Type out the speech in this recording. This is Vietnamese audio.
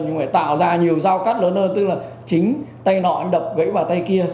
nhưng phải tạo ra nhiều giao cắt lớn hơn tức là chính tay nọ anh đập gãy vào tay kia